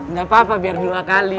nggak apa apa biar dua kali